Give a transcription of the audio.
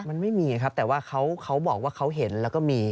มันไม่มีครับแต่ว่าเขาบอกว่าเขาเห็นแล้วก็มี